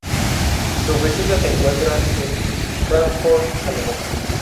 Su oficina se encuentra en Fráncfort, Alemania.